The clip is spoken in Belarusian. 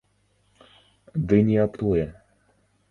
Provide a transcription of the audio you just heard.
Ды не аб тое.